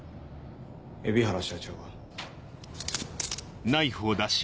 海老原社長は？